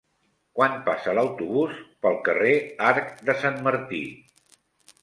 Quan passa l'autobús pel carrer Arc de Sant Martí?